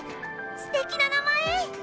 すてきな名前！